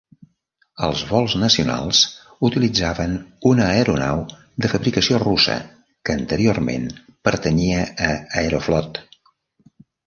Els vols nacionals utilitzaven una aeronau de fabricació russa que anteriorment pertanyia a Aeroflot.